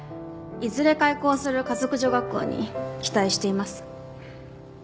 いずれ開校する華族女学校に期待しています。